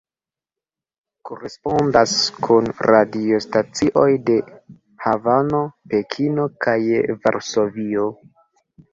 Korespondas kun radiostacioj de Havano, Pekino, kaj Varsovio.